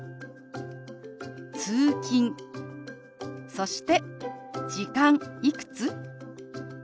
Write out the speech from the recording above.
そして「時間」「いくつ？」。